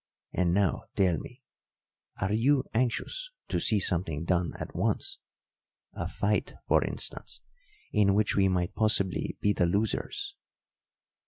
And now tell me, are you anxious to see something done at once a fight, for instance, in which we might possibly be the losers?"